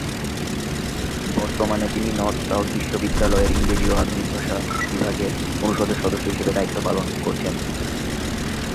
বর্তমানে তিনি North South বিশ্ববিদ্যালয়ের ইংরেজি ও আধুনিক ভাষা বিভাগের অনুষদের সদস্য হিসেবে দায়িত্ব পালন করছেন।